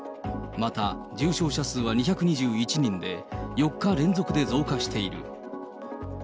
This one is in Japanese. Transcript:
また重症者数は２２１人で、４日連続で増加している。